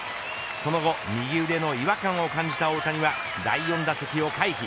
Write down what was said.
その後、右腕の違和感を感じた大谷は第４打席を回避。